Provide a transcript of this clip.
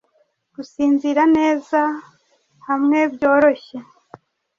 Gusinzira neza hamwe byoroshye.